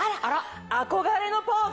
憧れのポーズ！